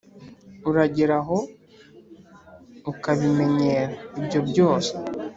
uragera aho ukabimenyera ibyo byose,